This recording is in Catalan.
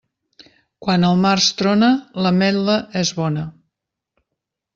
Quan al març trona, l'ametla és bona.